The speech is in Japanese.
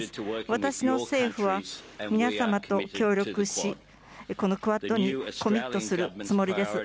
私の政府は皆様と協力し、このクアッドにコミットするつもりです。